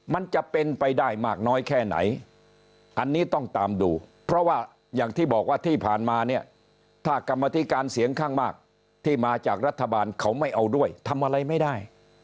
มันจะเป็นไปได้มากน้อยแค่ไหนอันนี้ต้องตามดูเพราะว่าอย่างที่บอกว่าที่ผ่านมาเนี่ยถ้ากรรมธิการเสียงข้างมากที่มาจากรัฐบาลเขาไม่เอาด้วยทำอะไรไม่ได้